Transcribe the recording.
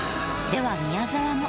では宮沢も。